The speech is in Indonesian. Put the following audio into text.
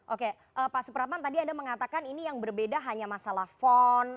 oke pak supratman tadi anda mengatakan ini yang berbeda hanya masalah font